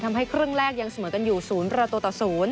ทำให้ครึ่งแรกยังเสมอกันอยู่๐ละตัวต่อ๐